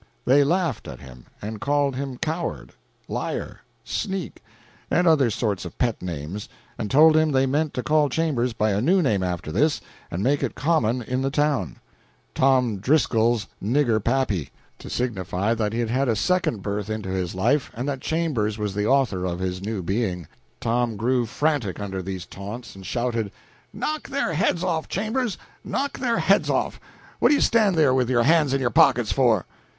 They laughed at him, and called him coward, liar, sneak, and other sorts of pet names, and told him they meant to call Chambers by a new name after this, and make it common in the town "Tom Driscoll's niggerpappy," to signify that he had had a second birth into this life, and that Chambers was the author of his new being. Tom grew frantic under these taunts, and shouted "Knock their heads off, Chambers! knock their heads off! What do you stand there with your hands in your pockets for?"